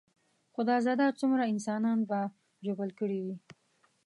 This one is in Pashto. خدا زده څومره انسانان به ژوبل کړي وي.